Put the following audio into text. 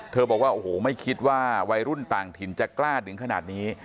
บอกว่าโอ้โหไม่คิดว่าวัยรุ่นต่างถิ่นจะกล้าถึงขนาดนี้